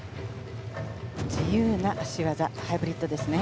自由な脚技ハイブリッドですね。